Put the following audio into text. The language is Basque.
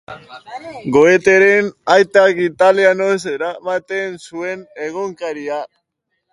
Goethe-ren aitak italianoz eramaten zuen egunkaria.